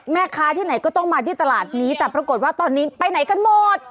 ที่ไหนก็ต้องมาที่ตลาดนี้แต่ปรากฏว่าตอนนี้ไปไหนกันหมด